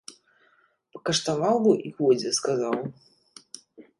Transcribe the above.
Пакаштаваў бы й годзе сказаў.